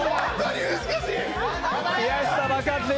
難しい！